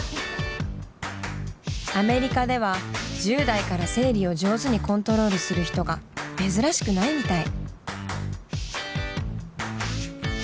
アメリカでは１０代から生理を上手にコントロールする人が珍しくないみたい。